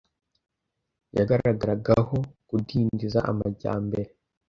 yagaragaragaho kudindiza amajyambere